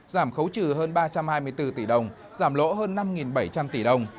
giảm khấu trừ hơn ba trăm hai mươi bốn tỷ đồng giảm lỗ hơn năm bảy trăm linh tỷ đồng